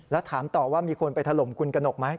แล้วถามต่อว่ามีคนไปถล่มคุณกระหนกไหม